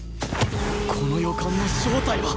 この予感の正体は！